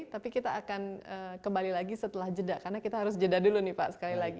tapi kita akan kembali lagi setelah jeda karena kita harus jeda dulu nih pak sekali lagi